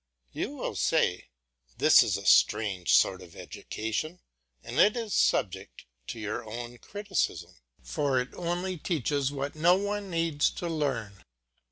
You will say, "This is a strange sort of education, and it is subject to your own criticism, for it only teaches what no one needs to learn.